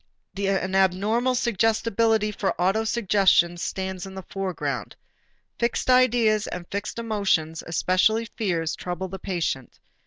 An abnormal suggestibility for autosuggestions stands in the foreground. Fixed ideas and fixed emotions, especially fears, trouble the patient.